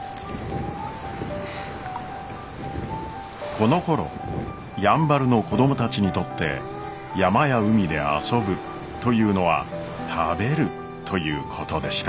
このころやんばるの子供たちにとって山や海で「遊ぶ」というのは「食べる」ということでした。